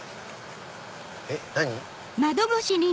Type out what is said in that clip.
えっ何？